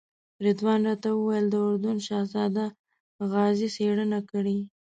رضوان راته وویل د اردن شهزاده غازي څېړنه کړې.